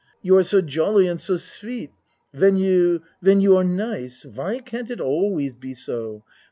You are so jolly and so sweet when you when you are nice. Why can't it always be so?